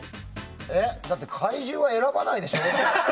だって、怪獣は選ばないでしょ。